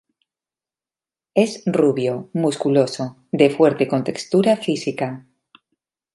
Es rubio, musculoso, de fuerte contextura física.